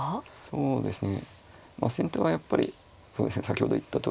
そうですね。